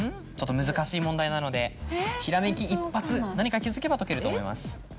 ちょっと難しい問題なのでひらめき一発何か気付けば解けると思います。